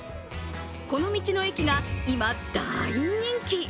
この道の駅が今、大人気。